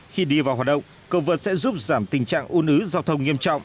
khi đi vào hoạt động cầu vượt sẽ giúp giảm tình trạng un ứ giao thông nghiêm trọng